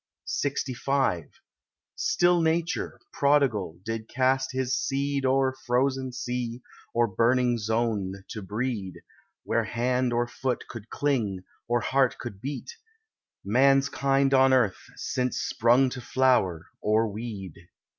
LXV Still Nature, prodigal, did cast his seed O'er frozen sea, or burning zone, to breed— Where hand or foot could cling, or heart could beat— Man's kind on earth, since sprung to flower, or weed.